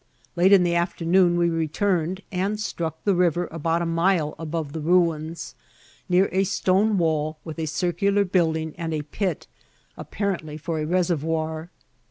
Late in the afternoon we returned, and struck the river about a mile above the ruins, near a stone wall with a circular building and a pit, apparently for a reservoir.